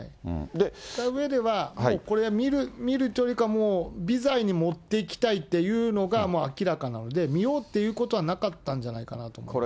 その上では、これは見るというよりは、もう微罪に持っていきたいっていうのが、もう明らかなので、見ようっていうことはなかったんじゃないかなと思いますね。